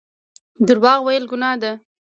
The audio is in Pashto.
درواغ ویل ګناه ده